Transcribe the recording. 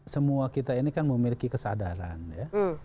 semua kita ini kan memiliki kesadaran ya